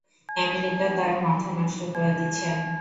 America তার মাথা নষ্ট করে দিছে।